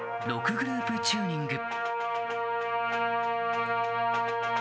６グループチューニング